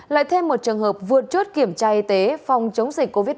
lại thêm một trường hợp vượt chốt kiểm tra y tế phòng chống dịch covid một mươi chín